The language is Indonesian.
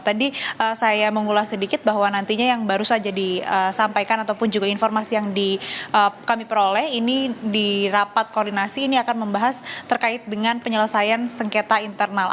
tadi saya mengulas sedikit bahwa nantinya yang baru saja disampaikan ataupun juga informasi yang kami peroleh ini di rapat koordinasi ini akan membahas terkait dengan penyelesaian sengketa internal